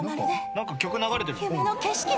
何か曲流れてる。